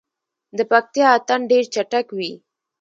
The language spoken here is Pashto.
د پکتیا اتن ډیر چټک وي.